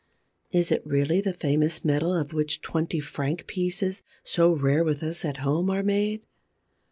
Is it really the famous metal of which twenty franc pieces, so rare with us at home, are made?